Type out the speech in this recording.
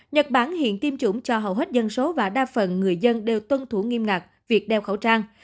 nhật bản hiện tiêm chủng cho hầu hết dân số và đa phần người dân đều tuân thủ nghiêm ngặt việc đeo khẩu trang